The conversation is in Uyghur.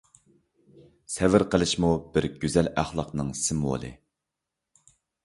سەۋر قىلىشمۇ بىر گۈزەل ئەخلاقنىڭ سىمۋولى!